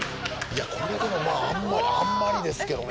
これでもまぁあんまりですけどね。